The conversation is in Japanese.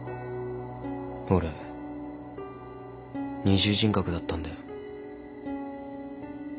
俺二重人格だったんだよ。